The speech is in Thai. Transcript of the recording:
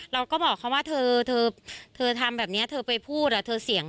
เราก็บอกเขาว่าเธอทำแบบนี้เธอไปพูดเธอเสี่ยง